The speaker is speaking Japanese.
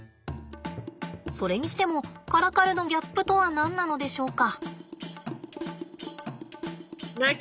それにしてもカラカルのギャップとは何なのでしょうか。